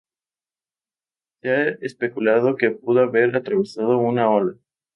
Se ha especulado que pudo haber atravesado una ola.